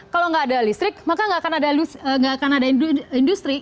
kalau nggak ada listrik maka nggak akan ada industri